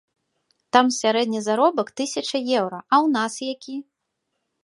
Там сярэдні заробак тысяча еўра, а ў нас які?